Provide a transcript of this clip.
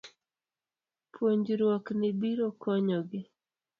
Puonjruokni biro konyogi